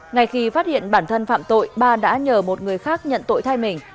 ngay khi phát hiện bản thân phạm tội ba đã nhờ một người khác nhận tội thay mình